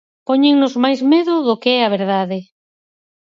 Póñennos máis medo do que é a verdade.